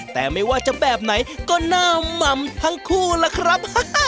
แต่ไม่ว่าจะแบบไหนก็หน้าหม่ำทั้งคู่ล่ะครับ